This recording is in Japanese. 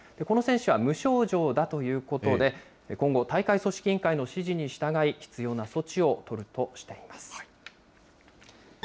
この選手は無症状だということで、今後、大会組織委員会の指示に従い、必要な措置を取るとしています。